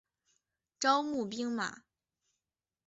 招募兵马。